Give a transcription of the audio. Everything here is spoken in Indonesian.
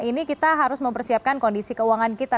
ini kita harus mempersiapkan kondisi keuangan kita